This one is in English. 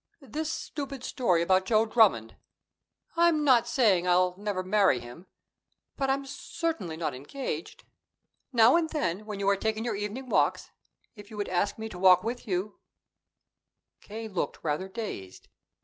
"This stupid story about Joe Drummond I'm not saying I'll never marry him, but I'm certainly not engaged. Now and then, when you are taking your evening walks, if you would ask me to walk with you " K. looked rather dazed.